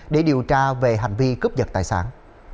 để điều tra về hành vi cướp giật tài sản